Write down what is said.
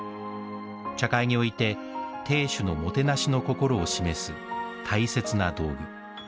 茶会において亭主のもてなしの心を示す大切な道具。